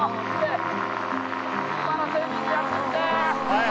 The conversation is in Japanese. はい